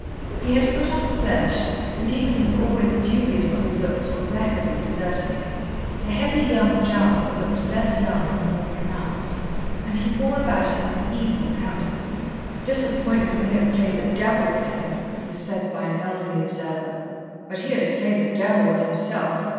He had put on flesh, and even his always dubious good looks were rapidly deserting him. The heavy young jowl looked less young and more pronounced, and he bore about an evil countenance. "Disappointment may have played the devil with him," it was said by an elderly observer; "but he has played the devil with himself.